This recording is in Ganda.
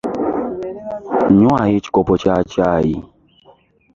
Nywayo ekikopo kya kyaayi .